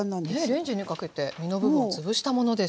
レンジにかけて実の部分を潰したものですが。